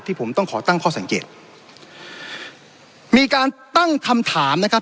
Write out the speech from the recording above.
ผมต้องขอตั้งข้อสังเกตมีการตั้งคำถามนะครับ